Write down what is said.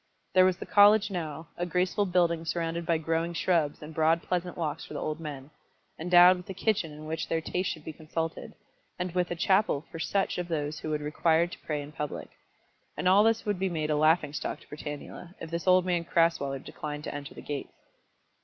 There was the college now, a graceful building surrounded by growing shrubs and broad pleasant walks for the old men, endowed with a kitchen in which their taste should be consulted, and with a chapel for such of those who would require to pray in public; and all this would be made a laughing stock to Britannula, if this old man Crasweller declined to enter the gates.